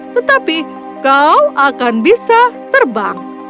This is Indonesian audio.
tetapi kau akan bisa terbang